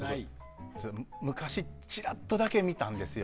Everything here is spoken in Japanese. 昔、チラッとだけ見たんですよ。